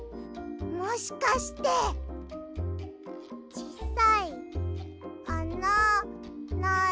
もしかしてちっさいあなない。